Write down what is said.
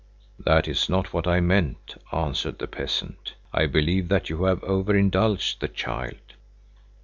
"That is not what I meant," answered the peasant. "I believe that you have over indulged the child.